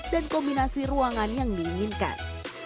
dan kombinasi ruangan yang diinginkan